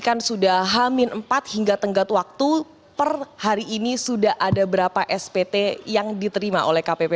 kan sudah hamin empat hingga tenggat waktu per hari ini sudah ada berapa spt yang diterima oleh kpp